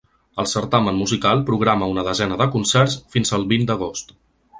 El certamen musical programa una desena de concerts fins al vint d’agost.